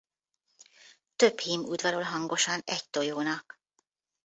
Több hím udvarol hangosan egy tojónak.